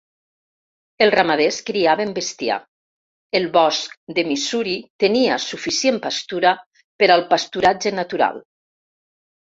Els ramaders criaven bestiar; el bosc de Missouri tenia suficient pastura per al pasturatge natural.